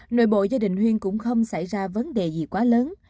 nội bộ gia đình huyên cũng không xảy ra vấn đề gì quá lớn